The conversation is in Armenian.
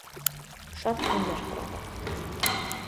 Շատ թունդ էր խռովել: